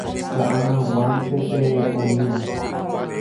Ko'ag̃aguánte pe oĩva.